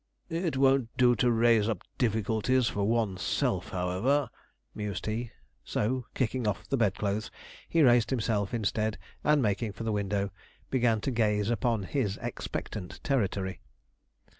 'It won't do to raise up difficulties for one's self, however,' mused he; so, kicking off the bedclothes, he raised himself instead, and making for a window, began to gaze upon his expectant territory.